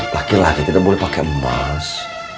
pake lah gak boleh pake emas